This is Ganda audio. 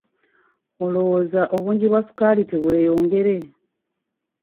Olowooza obungi bwa ssukaali tebweyongere?